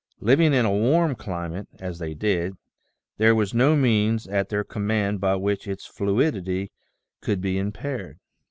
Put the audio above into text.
Living in a warm climate, as they did, there was no means at their command by which its fluidity could be im paired.